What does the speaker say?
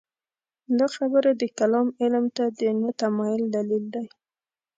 دا خبره د کلام علم ته د نه تمایل دلیل دی.